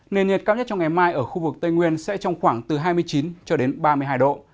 nền nhiệt cao nhất trong ngày mai ở khu vực tây nguyên sẽ trong khoảng từ hai mươi chín cho đến ba mươi hai độ